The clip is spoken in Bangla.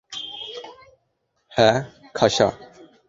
হ্যাঁ, খাসা।